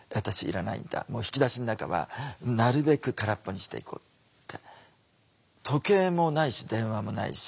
引き出しの中はなるべく空っぽにしていこうって。